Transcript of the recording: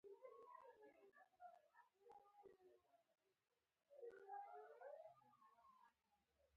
په ټولنه کې د سترو بدلونونو پیلامه شوه.